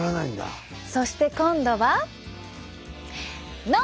そして今度は脳！